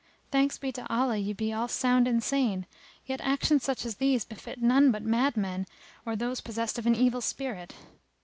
Thanks be to Allah ye be all sound and sane, yet actions such as these befit none but mad men or those possessed of an evil spirit.